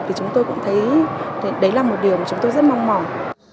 thì chúng tôi cũng thấy đấy là một điều mà chúng tôi rất mong mỏi